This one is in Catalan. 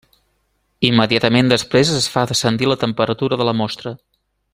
Immediatament després es fa descendir la temperatura de la mostra.